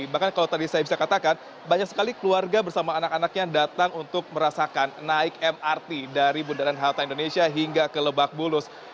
bahkan kalau tadi saya bisa katakan banyak sekali keluarga bersama anak anaknya datang untuk merasakan naik mrt dari bundaran hotel indonesia hingga ke lebak bulus